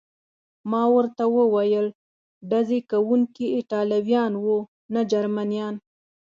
ما ورته وویل: ډزې کوونکي ایټالویان و، نه جرمنیان.